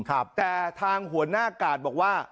แต่ทางหัวหน้ากาดบอกว่า